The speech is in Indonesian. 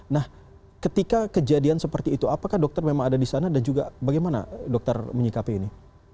nah ketika kejadian seperti itu apakah dokter memang ada di sana dan juga bagaimana dokter menyikapi ini